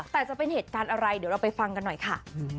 แต่จะเป็นเหตุการณ์อะไรเดี๋ยวเราไปฟังกันหน่อยค่ะ